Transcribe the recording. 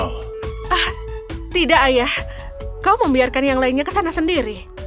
ah tidak ayah kau membiarkan yang lainnya kesana sendiri